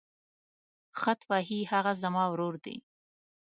خط وهي هغه زما ورور دی.